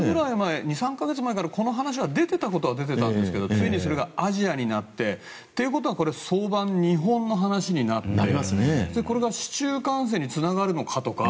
２３か月前くらいからこの話が出ていたことは出ていたんですがついにアジアになって。ということは早晩日本の話になるこれが市中感染につながるのかとか。